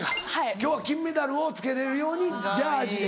今日は金メダルを着けれるようにジャージーで。